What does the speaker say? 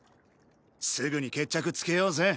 すぐに決着つけようぜ？